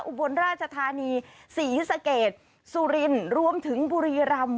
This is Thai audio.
อุบลราชธานีศรีสะเกดสุรินรวมถึงบุรีรำ